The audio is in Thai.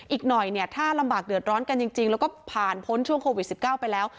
อีกหน่อยเนี่ยถ้าลำบากเดือดร้อนกันจริงแล้วก็ผ่านพ้นช่วงโควิด๑๙ไปแล้ว